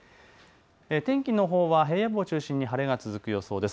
天気のほうは平野部を中心に晴れが続く予想です。